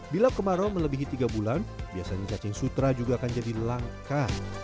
bila kemarau melebihi tiga bulan biasanya cacing sutra juga akan jadi langka